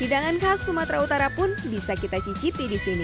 hidangan khas sumatera utara pun bisa kita cicipi disini